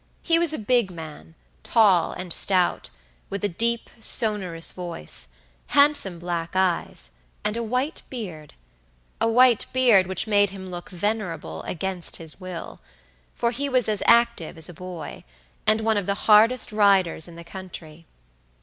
He was a big man, tall and stout, with a deep, sonorous voice, handsome black eyes, and a white bearda white beard which made him look venerable against his will, for he was as active as a boy, and one of the hardest riders in the country.